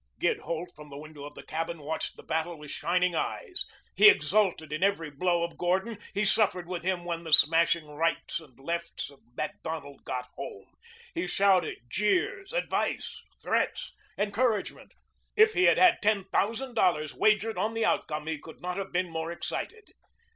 Gid Holt, from the window of the cabin, watched the battle with shining eyes. He exulted in every blow of Gordon; he suffered with him when the smashing rights and lefts of Macdonald got home. He shouted jeers, advice, threats, encouragement. If he had had ten thousand dollars wagered on the outcome he could not have been more excited.